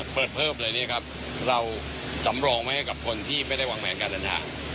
เพิ่มเลยเนี่ยครับเราสำรองไว้ให้กับคนที่ไม่ได้วางแผนการเดินทาง